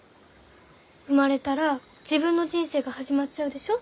生まれたら自分の人生が始まっちゃうでしょ？